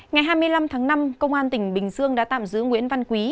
ngày hai mươi năm tháng năm công an tỉnh bình dương đã tạm giữ nguyễn văn quý